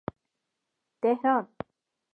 تهران